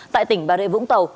tại tỉnh bà rệ vũng tàu